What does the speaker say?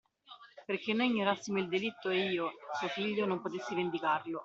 Perché noi ignorassimo il delitto e io, suo figlio, non potessi vendicarlo.